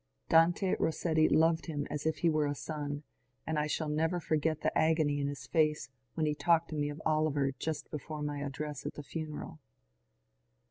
Dante Rossetti loved him as if he were a son, and I shall never forget the agony in his face when he talked to me of Oliver just before my address at the funeral.